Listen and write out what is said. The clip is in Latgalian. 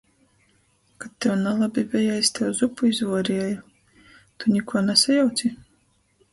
Kod tev nalabi beja, es tev zupu izvuorieju... Tu nikuo nasajauci?